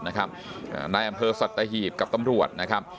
นายอำเภาสัตตาหีพกับตำรวจ